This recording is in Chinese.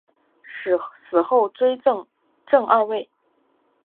死后追赠正二位。